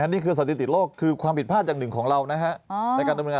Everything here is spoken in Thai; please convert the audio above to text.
นะครับนี่คือสติติโรคคือความผิดพลาดอย่างหนึ่งของเรานะฮะ